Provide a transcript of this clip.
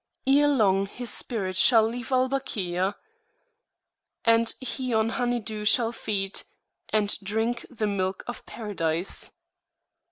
Ere long his spirit shall leave Al Bakia, And he on honey dew shall feed, And drink the milk of Paradise.